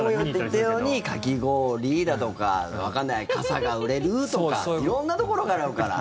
今、言ったようにかき氷だとかわからない、傘が売れるとか色んなところがあるだろうから。